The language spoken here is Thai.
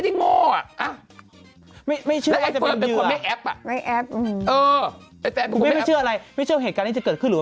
ถามปุ๊บมันตอบปั๊บ